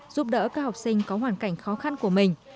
giúp đỡ các học sinh có hoàn cảnh khó khăn của mình